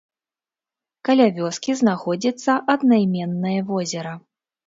Каля вёскі знаходзіцца аднайменнае возера.